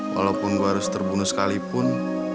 walaupun baru harus terbunuh sekalipun